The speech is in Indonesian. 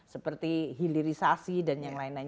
seperti hilirisasi dan yang lain lain